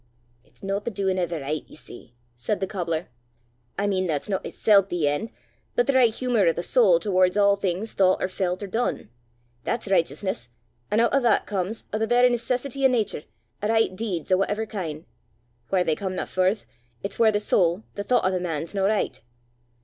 "It's no the duin' o' the richt, ye see," said the cobbler, " I mean, that's no itsel' the en', but the richt humour o' the sowl towards a' things thoucht or felt or dune! That's richteousness, an' oot o' that comes, o' the verra necessity o' natur, a' richt deeds o' whatever kin'. Whaur they comena furth, it's whaur the sowl, the thoucht o' the man 's no richt.